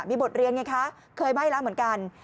มีบทเรียนไงคะเคยไหม้แล้วเหมือนกัน